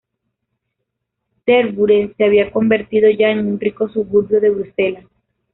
Tervuren se había convertido ya en un rico suburbio de Bruselas.